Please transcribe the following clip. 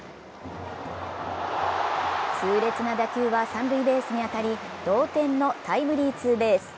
痛烈な打球は三塁ベースに当たり同点のタイムリーツーベース。